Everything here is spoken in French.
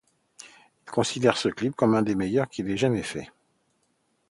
Ils considèrent ce clip comme un des meilleurs qu'ils aient jamais faits.